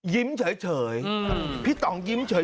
เฉยพี่ต่องยิ้มเฉย